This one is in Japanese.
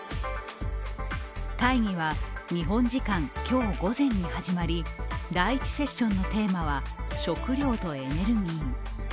会議は日本時間、今日午前に始まり第１セッションのテーマは食糧とエネルギー。